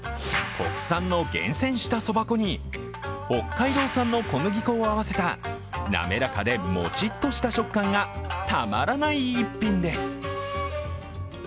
国産の厳選したそば粉に北海道産の小麦粉を合わせた滑らかでもちっとした食感がたまらない逸品です。